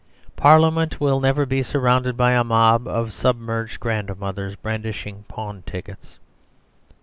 Parliament will never be surrounded by a mob of submerged grandmothers brandishing pawn tickets.